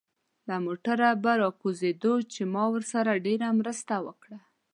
له موټره په راکوزېدو کې مو ورسره ډېره مرسته وکړه.